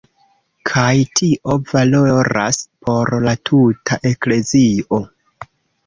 Kaj tio valoras por la tuta eklezio.